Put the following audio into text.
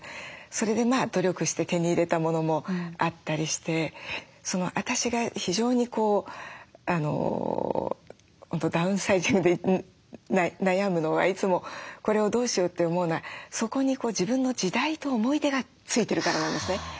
それで努力して手に入れたものもあったりして私が非常にこう本当ダウンサイジングで悩むのはいつもこれをどうしようって思うのはそこに自分の時代と思い出がついてるからなんですね。